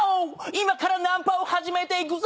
今からナンパを始めていくぜ」